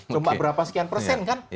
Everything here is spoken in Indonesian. cuma berapa sekian persen kan